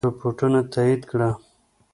رپوټونو تایید کړه.